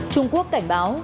trung quốc cảnh báo